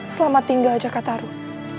selamat tinggal jaka taruk